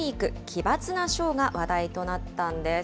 奇抜なショーが話題となったんです。